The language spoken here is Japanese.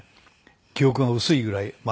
記憶が薄いぐらいまあ